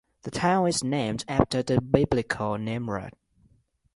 The town is named after the Biblical Nimrod.